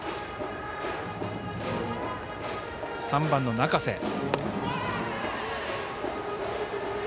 ３番の中瀬。